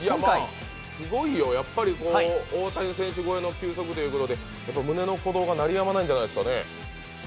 大谷選手超えの球速ということで胸の鼓動が鳴りやまないんじゃないですか？